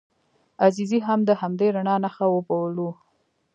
عزیزي هم د همدې رڼا نښه وبولو.